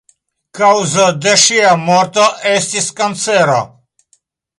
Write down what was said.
Kaŭzo de ŝia morto estis kancero.